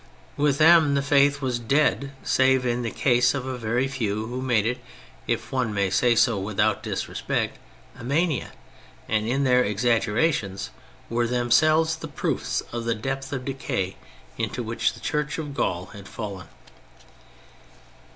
With them the faith was dead, save in the case of a very few who made it, if one may say so without disrespect, a mania, and in their exaggerations were themselves the proofs of the depth of decay into which the Church of Gaul had fallen.